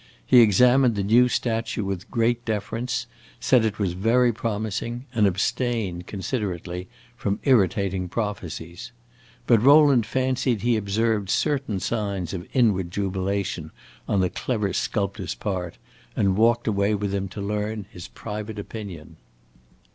He examined the new statue with great deference, said it was very promising, and abstained, considerately, from irritating prophecies. But Rowland fancied he observed certain signs of inward jubilation on the clever sculptor's part, and walked away with him to learn his private opinion.